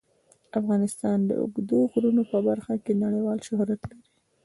افغانستان د اوږدو غرونو په برخه کې نړیوال شهرت لري.